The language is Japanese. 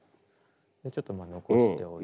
ちょっとまあ残しておいて。